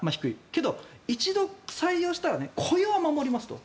けど、一度採用したら雇用は守りますと。